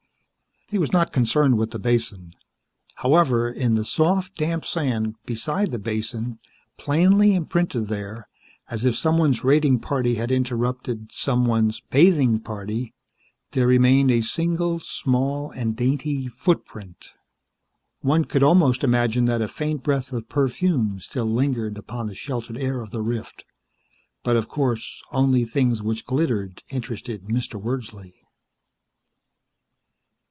He was not concerned with the basin. However, in the soft, damp sand beside the basin, plainly imprinted there, as if someone's raiding party had interrupted someone's bathing party, there remained a single, small and dainty footprint. One could almost imagine that a faint breath of perfume still lingered upon the sheltered air of the rift, but, of course, only things which glittered interested Mr. Wordsley.